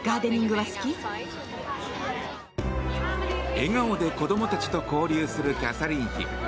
笑顔で子供たちと交流するキャサリン妃。